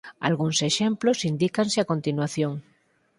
Algúns exemplos indícanse a continuación.